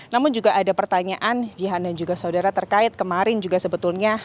namun juga ada pertanyaan jihan dan juga saudara terkait kemarin juga sebetulnya